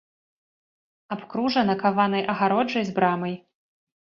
Абкружана каванай агароджай з брамай.